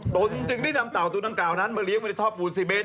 ตนจึงได้นำเต่าตัวดังกล่าวนั้นมาเลี้ยไว้ในท่อปูนซีเมน